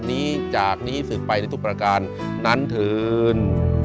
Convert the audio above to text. นี้จากนี้สืบไปในทุกประการนั้นเถิน